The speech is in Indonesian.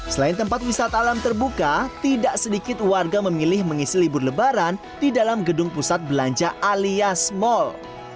selain tempat wisata alam terbuka tidak sedikit warga memilih mengisi libur lebaran di dalam gedung pusat belanja alias mal